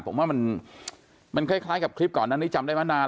ผมว่ามันคล้ายกับคลิปก่อนนั้นนี้จำได้มานาน